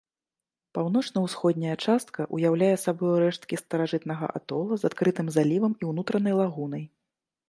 Паўночна-ўсходняя частка ўяўляе сабою рэшткі старажытнага атола з адкрытым залівам і ўнутранай лагунай.